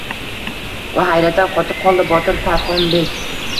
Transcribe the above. Va hayratdan qotib qoldi botir Tarxonbek.